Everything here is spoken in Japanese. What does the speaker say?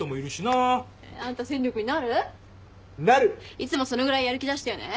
いつもそのぐらいやる気出してよね。